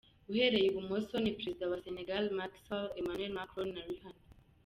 Uhereye i bumoso ni Perezida wa Senegal Macky Sall, Emmanuel Macron na Rihanna .